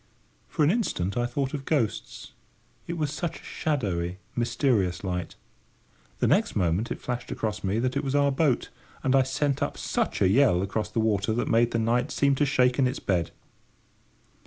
For an instant I thought of ghosts: it was such a shadowy, mysterious light. The next moment it flashed across me that it was our boat, and I sent up such a yell across the water that made the night seem to shake in its bed.